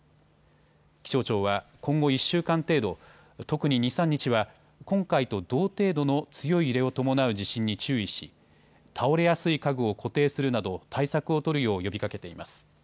気象庁は今後１週間程度、特に２、３日は今回と同程度の強い揺れを伴う地震に注意し倒れやすい家具を固定するなど対策を取るよう呼びかけています。